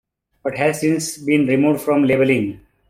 But has since been removed from labeling.